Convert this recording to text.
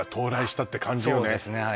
そうですね